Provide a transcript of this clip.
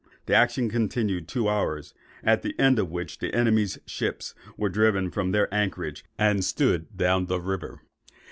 The action continued two hours; at the end of which the enemy's ships were driven from their anchorage, and stood down the river.